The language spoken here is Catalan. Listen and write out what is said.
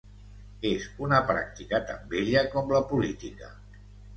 És una pràctica tan vella com la política.